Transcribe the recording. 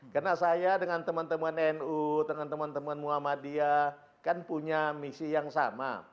karena saya dengan teman teman nu dengan teman teman muhammadiyah kan punya misi yang sama